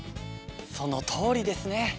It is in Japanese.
そのとおりですね！